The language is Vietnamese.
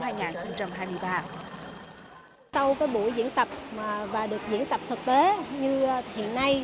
sau buổi diễn tập và được diễn tập thực tế như hiện nay